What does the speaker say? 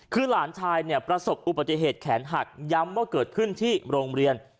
คือหลานชายเนี่ยประสบอุบัติเหตุแขนหักย้ำว่าเกิดขึ้นที่โรงเรียน